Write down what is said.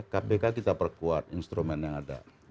kpk kita perkuat instrumen yang ada